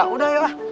udah yuk lah